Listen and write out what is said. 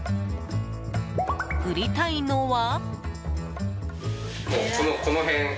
売りたいのは？